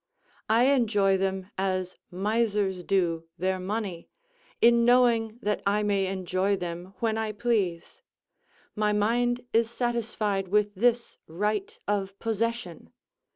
I enjoy them as misers do their money, in knowing that I may enjoy them when I please: my mind is satisfied with this right of possession.